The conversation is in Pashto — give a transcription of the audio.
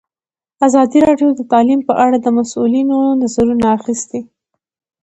ازادي راډیو د تعلیم په اړه د مسؤلینو نظرونه اخیستي.